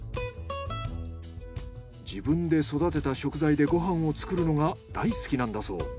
自分で育てた食材でご飯を作るのが大好きなんだそう。